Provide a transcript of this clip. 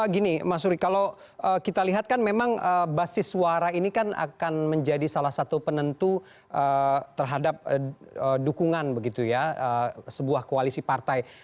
gini mas suri kalau kita lihat kan memang basis suara ini kan akan menjadi salah satu penentu terhadap dukungan begitu ya sebuah koalisi partai